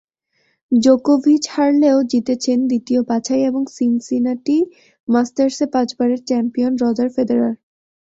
জোকোভিচ হারলেও জিতেছেন দ্বিতীয় বাছাই এবং সিনসিনাটি মাস্টার্সে পাঁচবারের চ্যাম্পিয়ন রজার ফেদেরার।